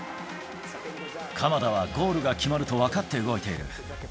鎌田はゴールが決まると分かって動いている。